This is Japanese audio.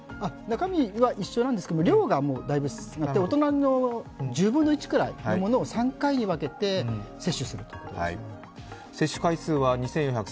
中身は一緒なんですけれども量がだいぶ違って、大人の１０分の１くらいのものを３回に分けて接種する。